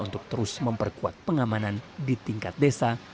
untuk terus memperkuat pengamanan di tingkat desa